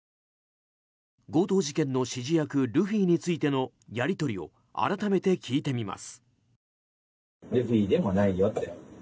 強盗事件の指示役ルフィについてのやり取りを改めて聞いてみます。